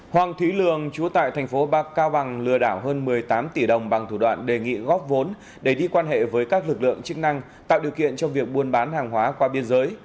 hoàng thúy lường chúa tại thành phố bắc cao bằng lừa đảo hơn một mươi tám tỷ đồng bằng thủ đoạn đề nghị góp vốn để đi quan hệ với các lực lượng chức năng tạo điều kiện cho việc buôn bán hàng hóa qua biên giới